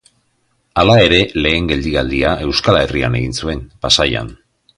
Hala ere, lehen geldialdia Euskal Herrian egin zuen, Pasaian.